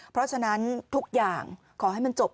เพราะฉะนั้นทุกอย่างขอให้มันจบ